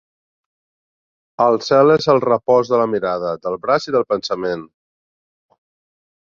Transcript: El cel és el repòs de la mirada, del braç i del pensament.